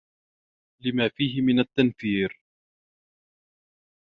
لِمَا فِيهِ مِنْ التَّنْفِيرِ